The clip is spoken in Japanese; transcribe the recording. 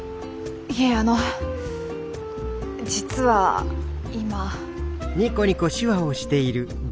いえあの実は今。